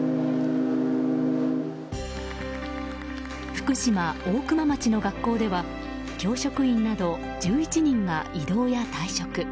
福島・大熊町の学校では教職員など１１人が異動や退職。